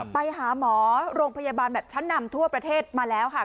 ไปหาหมอโรงพยาบาลแบบชั้นนำทั่วประเทศมาแล้วค่ะ